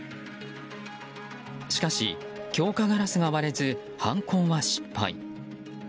しかし、強化ガラスが割れず犯行は失敗。